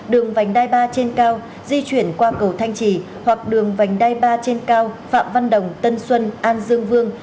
đường vành đai ba trên cao di chuyển qua cầu thanh trì hoặc đường vành đai ba trên cao phạm văn đồng tân xuân an dương vương